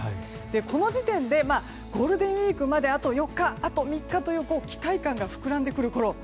この時点でゴールデンウィークまであと４日あと３日という期待感が膨らんでくるころ